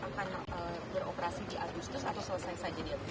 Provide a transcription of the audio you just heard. operasi di agustus atau selesai saja di agustus